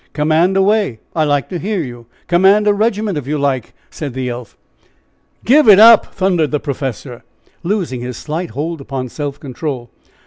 "Command away I like to hear you. Command a regiment, if you like!" said the elf. "Give it up!" thundered the professor, losing his slight hold upon self control.